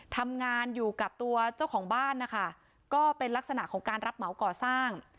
ทำงานอยู่กับตัวเจ้าของบ้านนะคะก็เป็นลักษณะของการรับเหมาก่อสร้าง